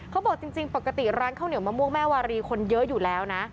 เขาบอกจริงปกติร้านข้าวเหนียวมะม่วงแม่วารีคนเยอะอยู่แล้วนะ